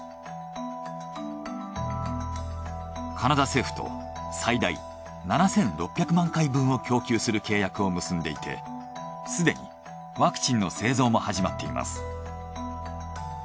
カナダ政府と最大７，６００万回分を供給する契約を結んでいてすでにワクチンの製造も始まっています。